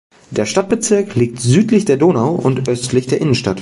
Der Stadtbezirk liegt südlich der Donau und östlich der Innenstadt.